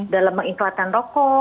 dalam mengiklatkan rokok